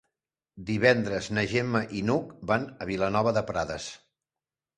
Divendres na Gemma i n'Hug van a Vilanova de Prades.